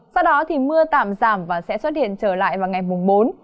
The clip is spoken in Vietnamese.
sau đó thì mưa tạm giảm và sẽ xuất hiện trở lại vào ngày mùng bốn